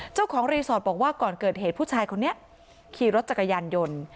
เจ้าของรีสอร์ทบอกว่าก่อนเกิดเหตุผู้ชายคนนี้ขี่รถจักรยานยนต์